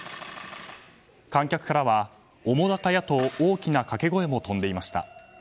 観客からは、澤瀉屋と大きな掛け声も飛んでいました。